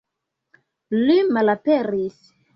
Li malaperis!